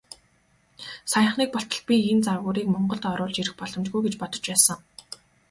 Саяхныг болтол би энэ загварыг Монголд оруулж ирэх боломжгүй гэж бодож байсан.